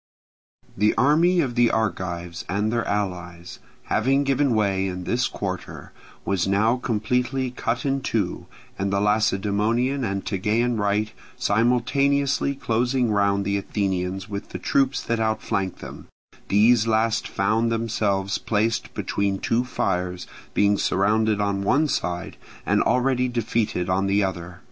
The army of the Argives and their allies, having given way in this quarter, was now completely cut in two, and the Lacedaemonian and Tegean right simultaneously closing round the Athenians with the troops that outflanked them, these last found themselves placed between two fires, being surrounded on one side and already defeated on the other.